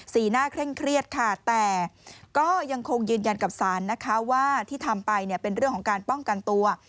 หน้าเคร่งเครียดค่ะแต่ก็ยังคงยืนยันกับศาลนะคะว่าที่ทำไปเนี่ยเป็นเรื่องของการป้องกันตัว